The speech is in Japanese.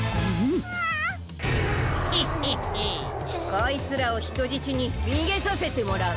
こいつらをひとじちににげさせてもらう。